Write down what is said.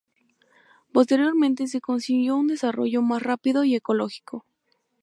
Posteriormente se consiguió un desarrollo más rápido y ecológico.